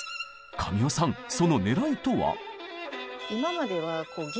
神尾さんそのねらいとは？